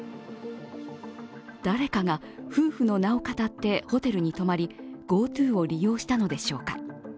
誰かが夫婦の名をかたってホテルに泊まりＧｏＴｏを利用したのでしょうか。